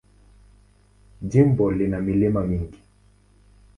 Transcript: Jimbo lina milima mingi.